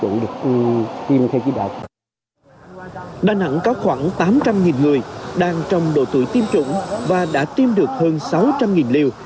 tám trăm linh người đang trong độ tuổi tiêm chủng và đã tiêm được hơn sáu trăm linh liều